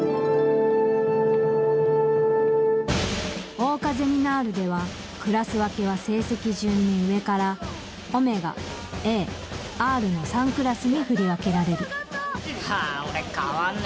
桜花ゼミナールではクラス分けは成績順に上から「Ω」「Ａ」「Ｒ」の３クラスに振り分けられるはぁ俺変わんね。